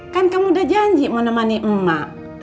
kan kamu udah janji mau nemani emak